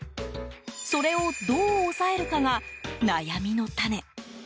それをどう抑えるかが悩みの種。